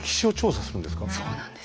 そうなんです。